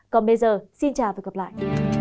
còn bây giờ xin chào và gặp lại